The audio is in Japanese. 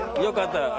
よかった。